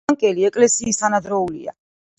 კანკელი ეკლესიის თანადროულია.